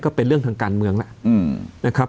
ก็เป็นเรื่องทางการเมืองแล้วนะครับ